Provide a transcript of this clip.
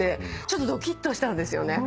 ちょっとドキッとしたんですよね。